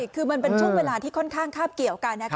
คือมันเป็นช่วงเวลาที่ค่อนข้างคาบเกี่ยวกัน